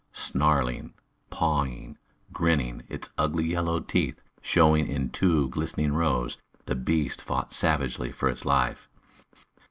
Snarling, pawing, grinning, its ugly yellow teeth showing in two glistening rows, the beast fought savagely for its life.